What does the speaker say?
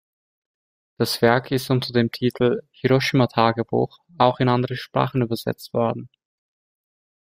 Das Werk ist unter dem Titel "Hiroshima-Tagebuch" auch in andere Sprachen übersetzt worden.